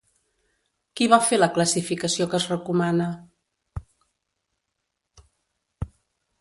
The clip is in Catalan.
Qui va fer la classificació que es recomana?